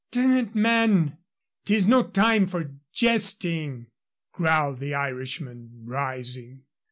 "D n it, man, 'tis no time for jesting," growled the Irishman, rising.